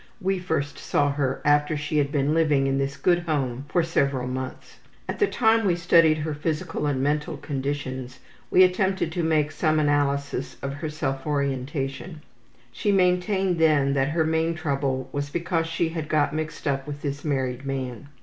We first saw her after she had been living in this good home for several months. At the same time we studied her physical and mental conditions we attempted to make some analysis of her self orientation. She maintained then that her main trouble was because she had got mixed up with this married man.